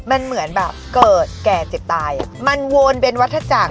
มันเหมือนแบบเกิดแก่เจ็บตายมันโวนเป็นวัฒนาจักร